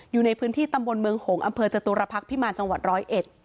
อยู่ในพื้นที่ตำบลเมืองหงษ์อำเภอจตุรพักษ์พิมารจังหวัดร้อยเอ็ด